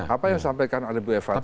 apa yang disampaikan oleh bu eva tadi